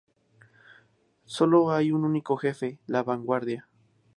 Solo hay un único jefe: La Vanguardia.